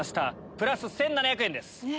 プラス１７００円です。